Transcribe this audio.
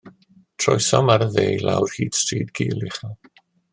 Troesom ar y dde i lawr hyd stryd gul uchel.